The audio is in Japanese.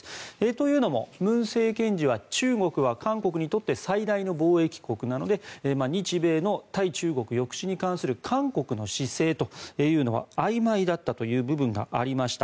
というのも、文政権時は中国は韓国にとって最大の貿易国なので日米の対中国抑止に対する韓国の姿勢というのはあいまいだという部分がありました。